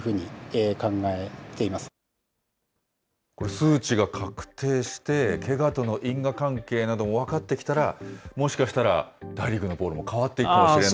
数値が確定して、けがとの因果関係なども分かってきたら、もしかしたら、大リーグのボールも変わっていくかもしれない。